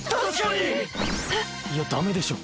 いやだめでしょ。